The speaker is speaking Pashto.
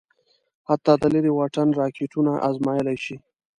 حتی د لېرې واټن راکېټونه ازمايلای شي.